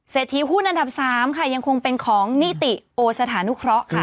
ทีหุ้นอันดับ๓ค่ะยังคงเป็นของนิติโอสถานุเคราะห์ค่ะ